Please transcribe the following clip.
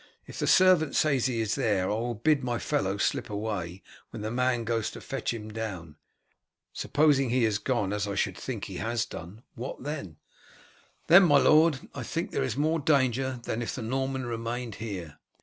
If the servant says he is there I will bid my fellow slip away when the man goes to fetch him down. Supposing he has gone, as I should think he has done, what then?" "Then, my lord, I think there is more danger than if the Norman remained here.